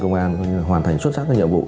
công an hoàn thành xuất sắc các nhiệm vụ